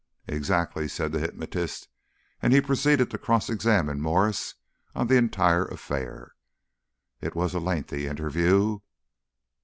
"Exactly," said the hypnotist. And he proceeded to cross examine Mwres on the entire affair. It was a lengthy interview.